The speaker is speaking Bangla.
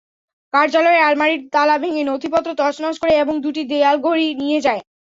কার্যালয়ের আলমারির তালা ভেঙে নথিপত্র তছনছ করে এবং দুটি দেয়ালঘড়ি নিয়ে যায়।